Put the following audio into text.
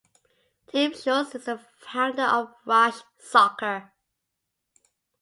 Tim Schulz is the founder of Rush Soccer.